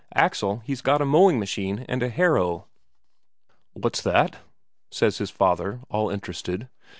Axel he's got a mowing machine and a harrow." "What's that?" says his father, all interested.